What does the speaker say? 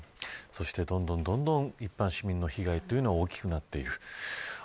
そしてどんどん、どんどん一般市民の被害というのは大きくなっていく。